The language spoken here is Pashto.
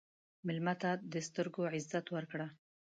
مېلمه ته د سترګو عزت ورکړه.